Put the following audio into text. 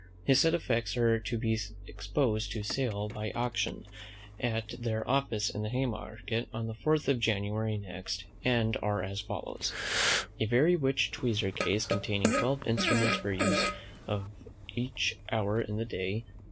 His said effects are to be exposed to sale by auction, at their office in the Haymarket, on the fourth of January next, and are as follow: A very rich tweezer case, containing twelve instruments for the use of each hour in the day.